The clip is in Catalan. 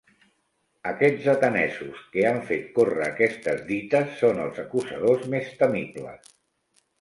Aquests, atenesos, que han fet córrer aquestes dites, són els acusadors més temibles;